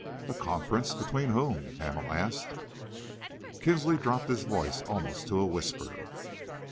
"A conference between whom?" Hamel asked. Kinsley dropped his voice almost to a whisper.